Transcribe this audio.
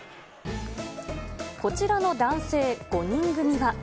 こちらの男性５人組は。